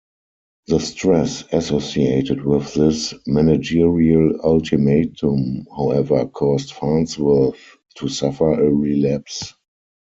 The stress associated with this managerial ultimatum, however, caused Farnsworth to suffer a relapse.